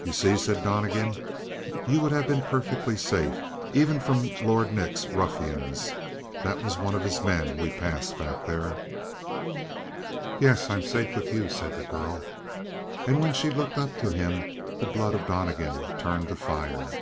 "You see?" said Donnegan. "You would have been perfectly safe even from Lord Nick's ruffians. That was one of his men we passed back there." "Yes. I'm safe with you," said the girl. And when she looked up to him, the blood of Donnegan turned to fire.